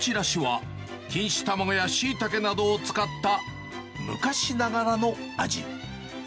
五目ちらしは、錦糸卵やシイタケなどを使った、昔ながらの味。